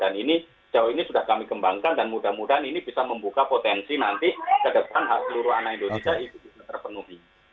dan ini jauh ini sudah kami kembangkan dan mudah mudahan ini bisa membuka potensi nanti ke depan hak seluruh anak indonesia itu bisa terpenuhi